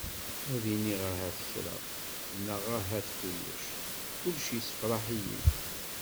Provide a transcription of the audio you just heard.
Ad iniɣ ahat kra! Neɣ ahat kulec, kulec yessefraḥ-iyi.